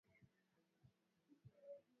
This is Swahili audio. Sisi ni warefu